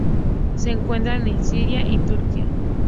Se encuentra en Siria y Turquía.